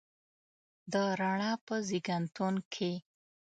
د رڼا په زیږنتون کې